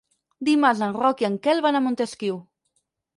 Dimarts en Roc i en Quel van a Montesquiu.